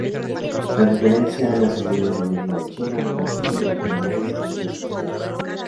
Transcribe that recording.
La diferencia la asumió el Gobierno de China, país que donó toda la infraestructura.